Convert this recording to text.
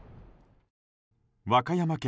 和歌山県